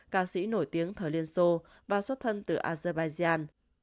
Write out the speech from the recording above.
ca sĩ nổi tiếng thời liên xô và xuất thân từ azerbaijan